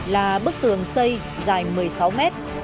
là bức tường xây dài một mươi sáu mét